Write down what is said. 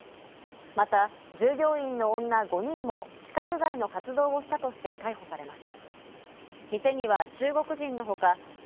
また従業員の女５人も資格外の活動をしたとして逮捕されました。